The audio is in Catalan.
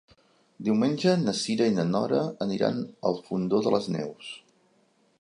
Diumenge na Cira i na Nora aniran al Fondó de les Neus.